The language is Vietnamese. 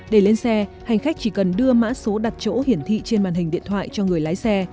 để lên xe hành khách chỉ cần đưa mã số đặt chỗ hiển thị trên màn hình điện thoại cho người lái xe